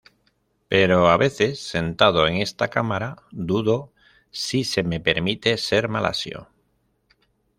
Pero a veces, sentado en esta cámara, dudo si se me permite ser malasio".